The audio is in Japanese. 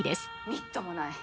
みっともない。